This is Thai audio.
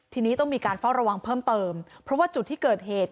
ทีนี้ต้องมีการเฝ้าระวังเพิ่มเติมเพราะว่าจุดที่เกิดเหตุ